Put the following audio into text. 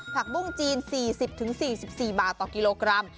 ผักบุ้งจีน๔๐๔๔บาทต่อกิโลกรัม